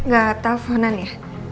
gak telfonan ya